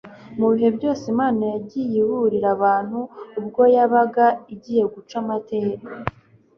Mu bihe byose Imana yagiye iburira abantu ubwo yabaga igiye guca amateka.